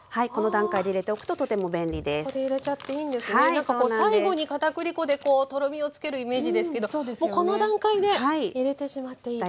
なんかこう最後に片栗粉でこうとろみをつけるイメージですけどもうこの段階で入れてしまっていいと。